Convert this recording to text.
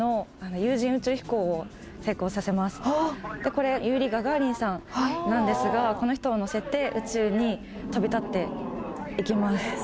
これユーリ・ガガーリンさんなんですがこの人を乗せて宇宙に旅立っていきます。